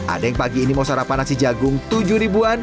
ada yang pagi ini mau sarapan nasi jagung tujuh ribuan